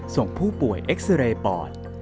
ส่งผู้ป่วยเอ็กซาเรย์ปอด